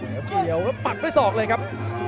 แล้วเกี่ยวแล้วปักด้วยศอกเลยครับ